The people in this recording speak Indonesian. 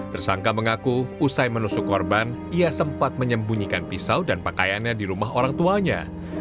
tersangka mengaku usai menusuk korban ia sempat menyembunyikan pisau dan pakaiannya di rumah orang tuanya